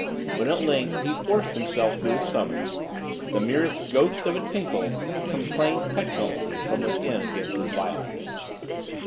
When, at length, he forced himself to the summons, the merest ghost of a tinkle complained petulantly from within against his violence.